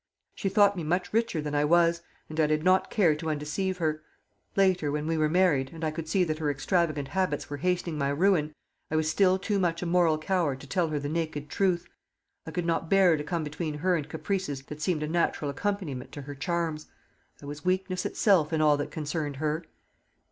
She thought me much richer than I was, and I did not care to undeceive her. Later, when we were married, and I could see that her extravagant habits were hastening my ruin, I was still too much a moral coward to tell her the naked truth. I could not bear to come between her and caprices that seemed a natural accompaniment to her charms. I was weakness itself in all that concerned her."